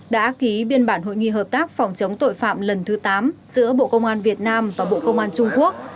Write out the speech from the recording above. đã ký biên bản hội nghị hợp tác phòng chống tội phạm lần thứ tám giữa bộ công an việt nam và bộ công an trung quốc